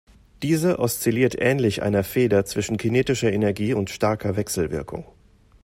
Diese oszilliert ähnlich einer Feder zwischen kinetischer Energie und starker Wechselwirkung.